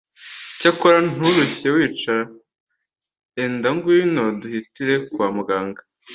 Icyakora nturushye wicara, enda ngwino duhitire kwa muganga